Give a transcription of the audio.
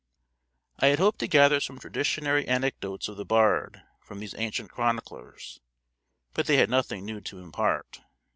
I had hoped to gather some traditionary anecdotes of the bard from these ancient chroniclers, but they had nothing new to impart.